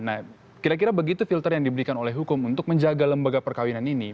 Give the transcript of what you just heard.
nah kira kira begitu filter yang diberikan oleh hukum untuk menjaga lembaga perkawinan ini